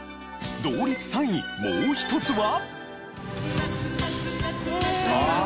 同率３位もう一つは。